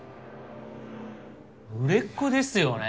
売れっ子ですよね。